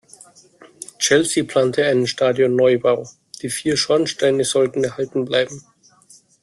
Chelsea plante einen Stadion-Neubau; die vier Schornsteine sollten erhalten bleiben.